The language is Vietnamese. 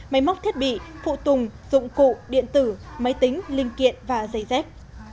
máy móc thiết bị phụ tùng dụng cụ điện tử máy tính linh kiện và dây dép